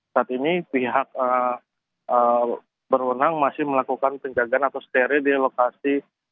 saat ini pihak berwenang masih melakukan penjagaan atau steril di lokasi